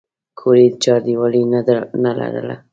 کور یې چاردیوالي نه لرله.